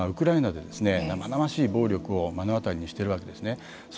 ただ私たちは今ウクライナで生々しい暴力を目の当たりにしているわけですね。